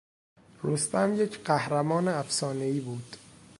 رستم یک قهرمان افسانهای بود.